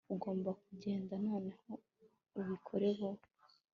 ugomba kugenda? noneho ubikore vuba